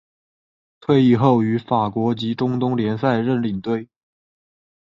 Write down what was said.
退役后于法国及中东联赛任领队。